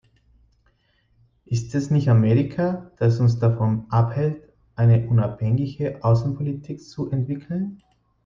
Ist es nicht Amerika, das uns davon abhält, eine unabhängige Außenpolitik zu entwickeln?